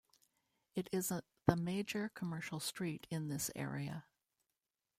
It is the major commercial street in this area.